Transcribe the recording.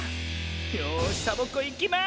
よしサボ子いきます！